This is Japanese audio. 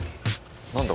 何だ？